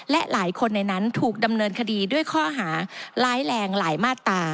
และหลายคนในนั้นถูกดำเนินคดีด้วยข้อหาร้ายแรงหลายมาตรา